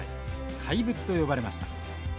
怪物と呼ばれました。